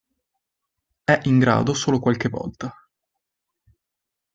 È in grado solo qualche volta.